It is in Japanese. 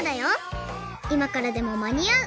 「いまからでもまにあう！